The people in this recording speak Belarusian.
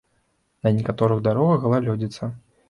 На некаторых дарогах галалёдзіца.